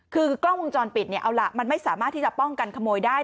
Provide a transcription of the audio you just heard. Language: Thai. คือกล้องวงจรปิดเนี่ยเอาล่ะมันไม่สามารถที่จะป้องกันขโมยได้